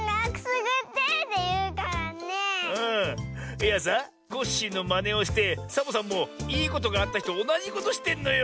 いやさコッシーのまねをしてサボさんもいいことがあったひとおなじことしてんのよ。